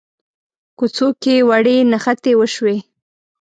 کوڅو کې وړې نښتې وشوې.